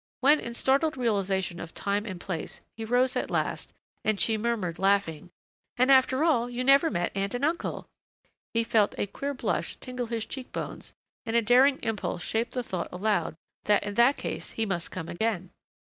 When in startled realization of time and place he rose at last and she murmured laughing, "And after all you never met Aunt and Uncle!" he felt a queer blush tingle his cheek bones and a daring impulse shape the thought aloud that in that case he must come again.